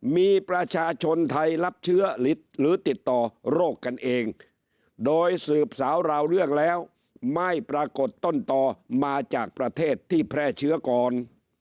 มีประชาชนไทยรับเชื้อหรือติดต่อโรคกันเองโดยสืบสาวราวเรื่องแล้วไม่ปรากฏต้นต่อมาจากประเทศที่แพร่เชื้อก่อน